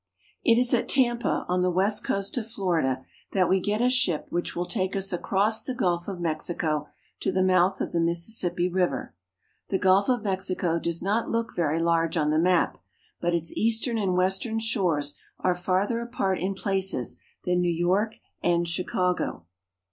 IT is at Tampa, on the west coast of Florida, that we get a ship which will take us across the Gulf of Mex ico to the mouth of the Mississippi River. The Gulf of Mexico does not look very large on the map, but its east ern and western shores are farther apart in places than New York and Chicago.